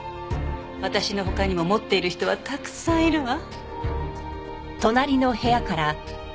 私の他にも持っている人はたくさんいるわ。